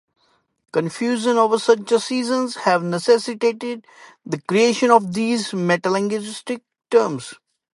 Confusion over such decisions have necessitated the creation of these metalinguistic terms.